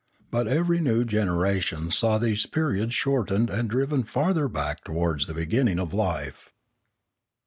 But every new generation saw these periods shortened and driven farther back towards the beginning of life.